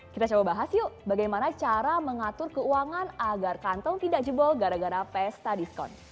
kita coba bahas yuk bagaimana cara mengatur keuangan agar kantong tidak jebol gara gara pesta diskon